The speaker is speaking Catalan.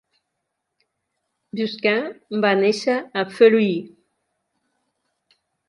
Busquin va néixer a Feluy.